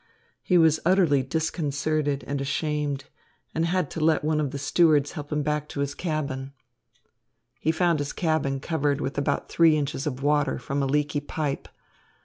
He was utterly disconcerted and ashamed and had to let one of the stewards help him back to his cabin. He found his cabin covered with about three inches of water, from a leaky pipe.